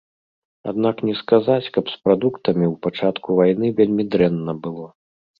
Аднак не сказаць, каб з прадуктамі ў пачатку вайны вельмі дрэнна было.